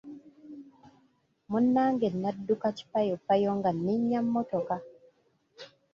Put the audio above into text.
Munnange nadduka kipayoppayo nga nninnya mmotoka.